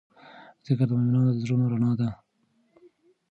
ذکر د مؤمنانو د زړونو رڼا ده.